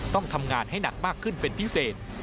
ต้องทำงานให้หนักมากขึ้นเป็นพิเศษ